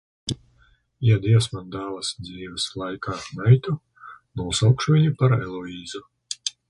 Ja Dievs man dāvās dzīves laikā meitu, nosaukšu viņu par Eloīzu.